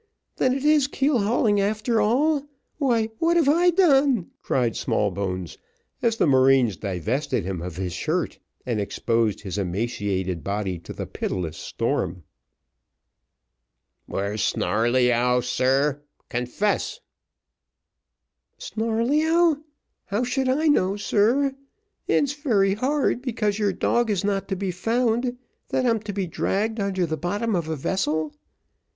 then it is keel hauling a'ter all; why what have I done?" cried Smallbones, as the marines divested him of his shirt, and exposed his emaciated body to the pitiless storm. "Where's Snarleyyow, sir? confess." "Snarleyyow how should I know, sir? it's very hard, because your dog is not to be found, that I'm to be dragged under the bottom of a vessel."